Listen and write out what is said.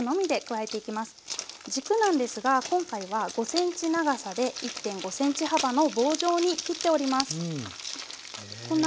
軸なんですが今回は５ｃｍ長さで１．５ｃｍ幅の棒状に切っております。